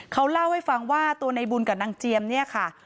เขาเล่าให้ฟังว่าตัวในบุญกับนางเจียมเนี่ยค่ะ